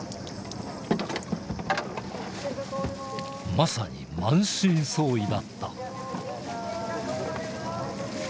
まさに満身創痍だった。